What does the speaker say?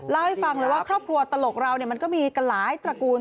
เล่าให้ฟังเลยว่าครอบครัวตลกเรามันก็มีกันหลายตระกูล